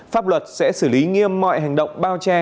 pháp luật sẽ xử lý nghiêm mọi hành động bao che